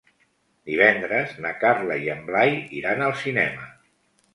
Divendres na Carla i en Blai iran al cinema.